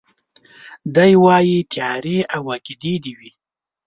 دی وايي تيارې او عقيدې دي وي